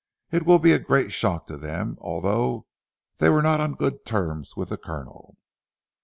It will be a great shock to them, although they were not on good terms with the Colonel."